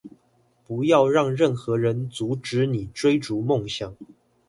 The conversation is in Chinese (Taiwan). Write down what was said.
不要讓任何人阻止你追逐夢想